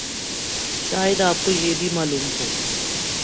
شاید آپ کو یہ بھی معلوم ہو